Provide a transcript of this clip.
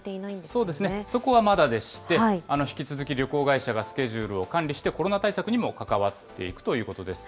そうですね、そこはまだでして、引き続き旅行会社がスケジュールを管理して、コロナ対策にも関わっていくということです。